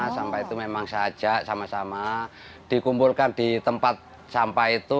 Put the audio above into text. sampah itu memang saja sama sama dikumpulkan di tempat sampah itu